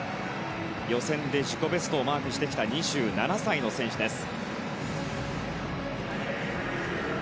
予選で自己ベストをマークしてきた２７歳の選手です。